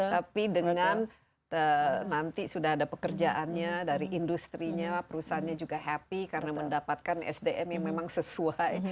tapi dengan nanti sudah ada pekerjaannya dari industri nya perusahaannya juga happy karena mendapatkan sdm yang memang sesuai